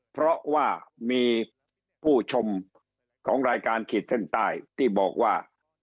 เพราะว่ามีผู้ชมของรายการขีดเส้นใต้ที่บอกว่า